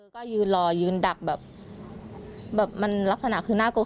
เธอก็ยืนรอยืนดักแบบแบบมันลักษณะคือหน้ากู